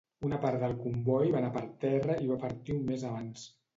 Una part del comboi va anar per terra i va partir un mes abans.